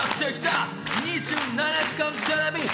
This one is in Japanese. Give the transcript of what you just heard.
［『２７時間テレビ』ＭＣ］